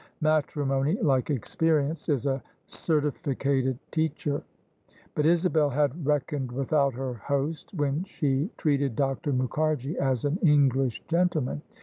Matrimony — like experience — is a certificated teacher. But Isabel had reckoned without her host when she treated Dr. Mukharji as an English gentleman.